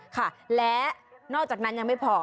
ค่ะและนอกจากนั้นยังไม่พอ